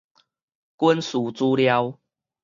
軍事資料